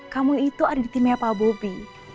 kamu itu ada di timnya pak bobi